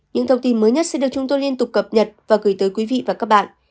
những thông tin mới nhất sẽ được chúng tôi liên tục cập nhật và gửi tới quý vị và các bạn